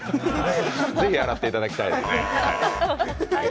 ぜひ洗っていただきたいですね。